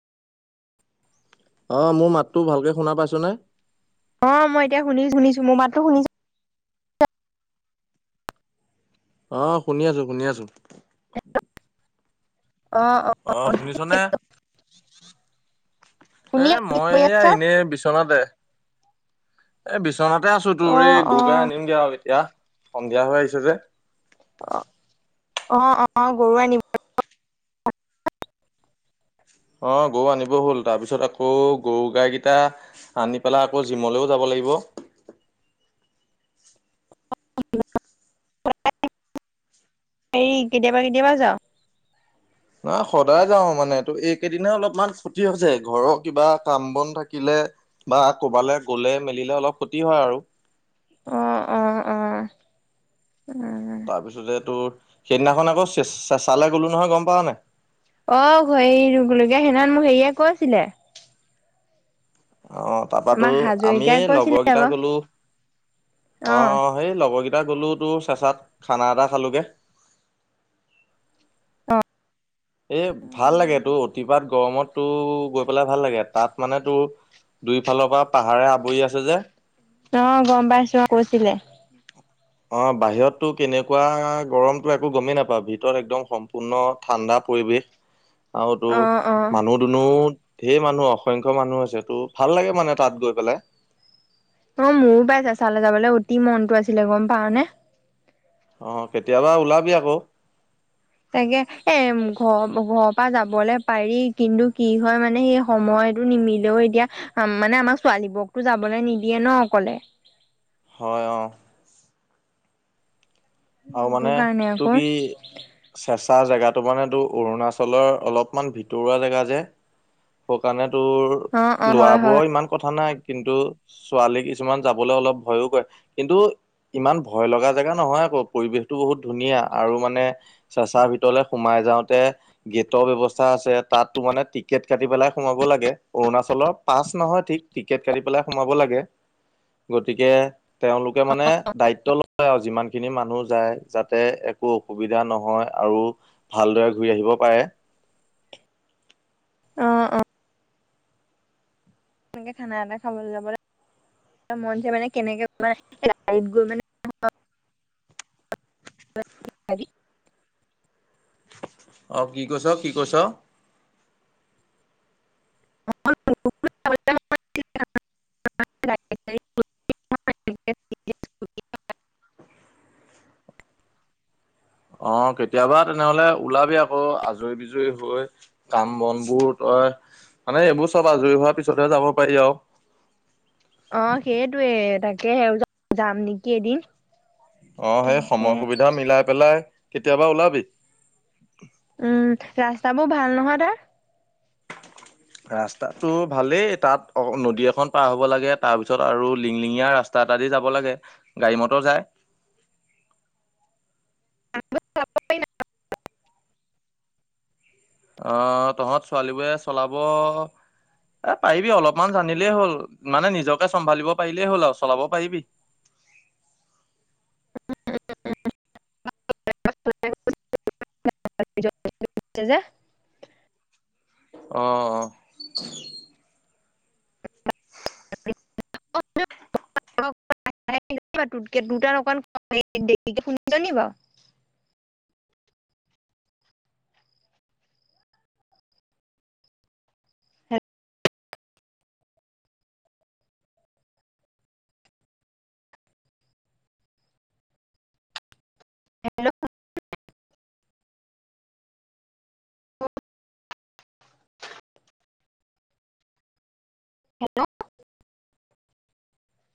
অঁ মোৰ মাতটো ভালকে শুনা পাইছনে? অঁ মই এতিয়া শুনি শুনিছো মোৰ মাততো শুনিছো। অঁ শুনি আছো, শুনি আছো। অ', অ', অঁহ শুনিছ নে? শুনি এ আছো কি মই কৰি এয়া আছা? এনেই বিচনাতে। এ বিচনাটে আছো তোৰ এই অ', গৰুগাই অ', আনিমগে আৰু এতিয়া, সন্ধিয়া হৈ আহিছে যে। অঁ অঁ অঁ গৰু আনিব- অঁ গৰু আনিব হ'ল তাৰপিছত আকৌ গৰু গাইগিটা- আনি পেলাই আকৌ জিমলেও যাব লাগিব। এই কেতিয়াবা কেতিয়াবা যাওঁ। না সদায় যাওঁ মানে তো এইকেইদিনে অলপমান খতি হৈছে, ঘৰৰ কিবা কাম বন থাকিলে- বা ক'বালে গ'লে মেলিলে অলপ খতি হয় আৰু। অঁ অঁ অঁ উম' তাপিছতে যে তোৰ সেইদিনাখন আকৌ চে চেচালে গলো নহয় গম পাও নাই? অঁ হেৰি ৰুগলগীয়া সেইনাত মোক হেৰিয়ে কৈছিলে। অঁ তাপাতো আমাৰ আমি হাজৰিকাই কৈছিলে লগৰ গিটা বাৰু গলো অ', অঁ- সেই লগৰগিটা গ'লোতো চেঁচাত খানা এটা খালোঁগে। অ', এ ভাল লাগে তো অতিপাত গৰমত তোৰ গৈ পেলাই ভাল লাগে, তাত মানে তোৰ- দুইফালৰ পৰা পাহাৰে আৱৰি আছে যে! অঁ গম পাইছো অঁ কৈছিলে। অঁ বাহিৰতটো কেনেকুৱা গৰমটো একো গমেই নাপাওঁ, ভিতৰত একদম সম্পূৰ্ণ ঠাণ্ডা পৰিৱেশ। আওটো। অ', অ', মানুহ দুনো ঢেই মানুহ অসংখ্য মানুহ আছে তো ভাল লাগে মানে তাত গৈ পেলাই। অঁ মোৰো পাই চেঁচা লে যাবলৈ অতি মনটো আছিলে গম পাও নে? অঁ কেতিয়াবা ওলাবি আকৌ। তাকে এ ঘৰ ঘৰৰ পা যাবলে পাৰি কিন্তু কি হয় মানে সেই- সময়টো নিমিলেও এতিয়া মানে আমাক ছোৱালীবোৰকতো যাবলৈ নিদিয়ে ন অকলে। হয় অঁ- আৰু মানে সেইটো কাৰণে তো আকৌ কি- চেঁচা জেগাটো মানেটো অৰুণাচলৰ অলপমান ভিতৰুৱা জেগা যে। স' কাণে তোৰ অ অ লোৱা হয় হয় বোৰৰ ইমান কথা নাই কিন্তু- ছোৱালী কিছুমান যাবলৈ অলপ ভয়ো কৰে কিন্তু, ইমান ভয় লগা জেগা নহয় আকৌ। পৰিৱেশটো বহুত ধুনীয়া আৰু মানে চেচা ভিতৰলে সোমাই যাওঁতে- গেট ব্যৱস্থা আছে তাততো মানে টিকট কাটি পেলাই সোমাব লাগে, অৰুণাচলৰ পাছ নহয় ঠিক- টিকেট কাটি পেলাই সোমাব লাগে। গতিকে, তেওঁলোকে মানে দায়িত্ব লয় আও যিমান খিনি মানুহ- যায় যাতে একো অসুবিধা নহয় আৰু ভালদৰে ঘূৰি আহিব পাৰে। অ সেনেকে খানা এটা খাবলৈ যাব মন যায় মানে কেনেকে বনাই লাইফ গৈ মানে অ' কি কৈছ কি কৈছ? [unintelligible] অ' কেতিয়াবা তেনেহলে ওলাবি আকৌ আজৰি বিজৰি হৈ কাম বনবোৰ তই মানে এইবোৰ চব আজৰি হোৱাৰ পিছতহে যাব পাৰি আও অ সেইটোৱে তাকেহে পিছত যাম নেকি এদিন। অ' সেই তাকে সময় সুবিধা মিলাই পেলাই কেতিয়াবা ওলাবি। উম ৰাস্তাবোৰ ভাল নহয় তাৰ? ৰাস্তাটো ভালেই তাত অ নদী এখন পাৰ হ'ব লাগে, তাৰ পিছত আৰু লিংলিঙীয়া ৰা তাত আজি যাব লাগে গাড়ী মটৰ যায়। [unintelligible] অ' তহঁত ছোৱালীবোৰে চলাব এ পাৰিবি অলপমান জানিলেই হ'ল মানে নিজক তই চম্ভালিব পাৰিলেই হল আৰু চলাব পাৰিবি। [unintelligible] আছে যে অ অ [unintelligible] তোতকে দুটাত অকমান দেৰিকে শুনিছ নি বাও হেল্ল অ হেল্ল